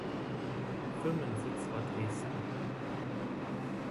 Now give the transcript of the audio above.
Firmensitz war Dresden.